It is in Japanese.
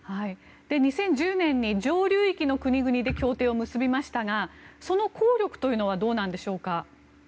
２０１０年に上流域の国々で結びましたがその効力というのはどうなんでしょうか。